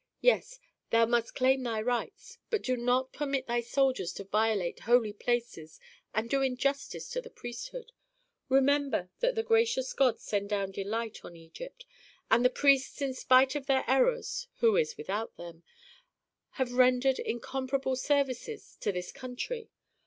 Yes, thou must claim thy rights, but do not permit thy soldiers to violate holy places and do injustice to the priesthood. Remember that the gracious gods send down delight on Egypt, and the priests in spite of their errors (who is without them) have rendered incomparable services to this country.